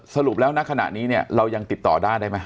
สรุปแล้วณขณะนี้เนี่ยเรายังติดต่อได้ได้ไหม